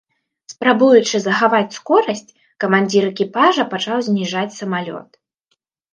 Спрабуючы захаваць скорасць, камандзір экіпажа пачаў зніжаць самалёт.